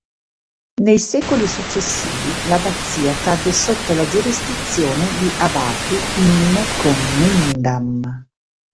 Nei secoli successivi l'abbazia cadde sotto la giurisdizione di abati "in commendam".